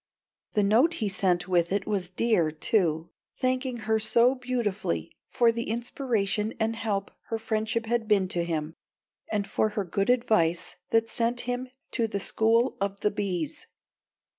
The note he sent with it was dear, too, thanking her so beautifully for the inspiration and help her friendship had been to him, and for her good advice that sent him to "The School of the Bees."